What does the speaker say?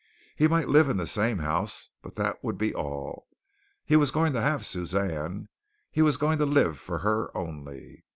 He might live in the same house, but that would be all. He was going to have Suzanne. He was going to live for her only.